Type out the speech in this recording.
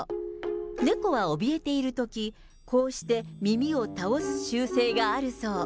猫はおびえているとき、こうして、耳を倒す習性があるそう。